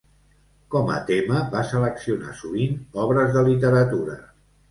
Com a tema, va seleccionar sovint obres de literatura.